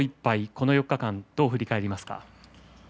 この４日間どう振り返りますか？